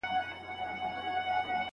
هم نیک نوم د وفادارۍ له امله.